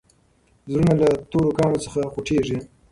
زړونه له تورو کاڼو څخه خوټېږي.